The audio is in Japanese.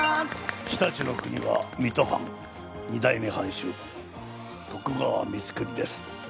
常陸国は水戸藩２代目藩主徳川光圀です。